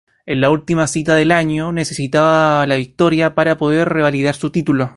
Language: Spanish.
En la última cita del año necesitaba la victoria para poder revalidar título.